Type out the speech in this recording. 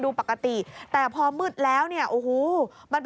โดดลงรถหรือยังไงครับ